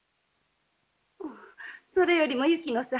それよりも雪野さん。